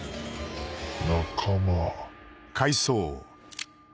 仲間。